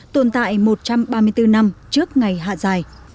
tồn tại một trăm ba mươi bốn năm trước ngày hạ giải